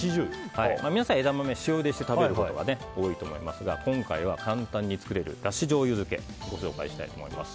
皆さん、枝豆塩ゆでして食べることが多いと思いますが今回は簡単に作れるだしじょうゆ漬けをご紹介したいと思います。